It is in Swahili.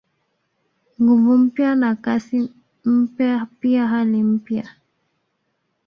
Nguvu mpya na Kasi mpya pia hali mpya